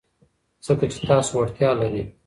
ځکه چې تاسو وړتیا لرئ.